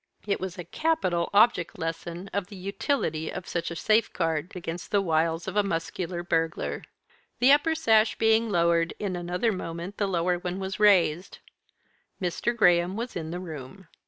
It was a capital object lesson of the utility of such a safeguard against the wiles of a muscular burglar. The upper sash being lowered, in another moment the lower one was raised. Mr. Graham was in the room.